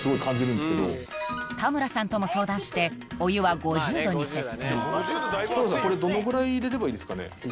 田村さんとも相談してこれどのぐらい入れればいいんですかね？